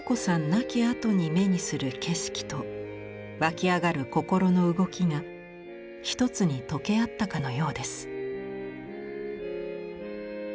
亡きあとに目にする景色と湧き上がる心の動きが一つに溶け合ったかのようです。